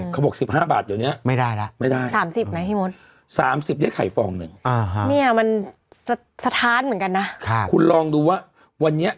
เขาบอกว่า๑๕บาทเนี่ย